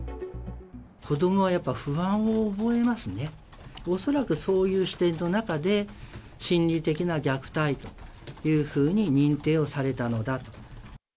子どもはやっぱり不安を覚えますね、恐らくそういう視点の中で、心理的な虐待というふうに認定をされたのだと。